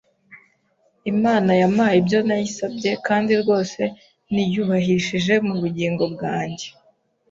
Imana yampaye ibyo nayisabye, kandi rwose yiyubahishije mu bugingo bwanjye.